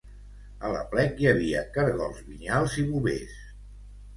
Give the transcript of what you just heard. A l'aplec hi havia caragols vinyals i bovers